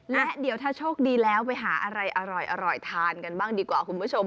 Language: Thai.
และเดี๋ยวถ้าโชคดีแล้วไปหาอะไรอร่อยทานกันบ้างดีกว่าคุณผู้ชม